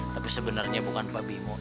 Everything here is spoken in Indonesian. tapi sebenarnya bukan pak bimo